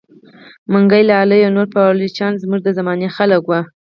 منګی لالو او نور پایلوچان زموږ د زمانې خلک وه.